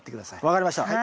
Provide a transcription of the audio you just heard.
分かりました。